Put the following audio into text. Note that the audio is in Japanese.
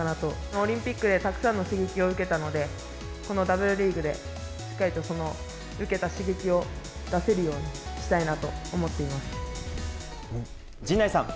オリンピックでたくさんの刺激を受けたので、このＷリーグでしっかりとその受けた刺激を出せるようにしたいな陣内さん。